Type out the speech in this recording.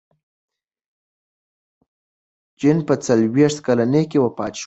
جین په څلوېښت کلنۍ کې وفات شوه.